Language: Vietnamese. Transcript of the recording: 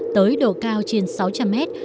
tới độ cao trên sáu trăm linh mét